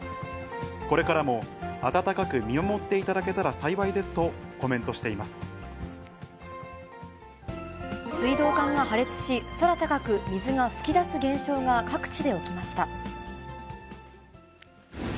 これからも温かく見守っていただけたら幸いですとコメントしてい水道管が破裂し、空高く水が噴き出す現象が各地で起きました。